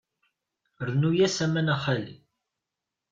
Rnu-as aman a xali.